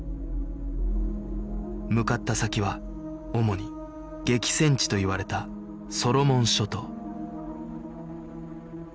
向かった先は主に激戦地といわれたソロモン諸島